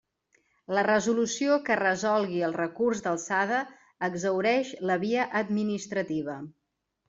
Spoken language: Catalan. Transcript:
La resolució que resolgui el recurs d'alçada exhaureix la via administrativa.